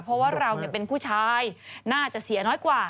เพราะว่าเราเป็นผู้ชายน่าจะเสียน้อยกว่า